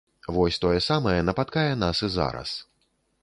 Вось тое самае напаткае нас і зараз.